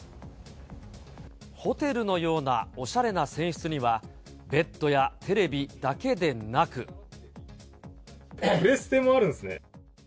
ホテルのようなおしゃれな船室には、プレステもあるんですね。